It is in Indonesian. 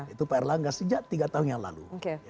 itu pak erlangga sejak tiga tahun yang lalu